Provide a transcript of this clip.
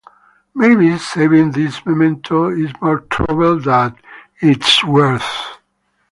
Maybe saving this memento is more trouble than it's worth.